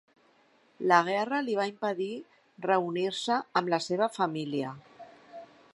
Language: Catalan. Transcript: La guerra li va impedir reunir-se amb la seva família.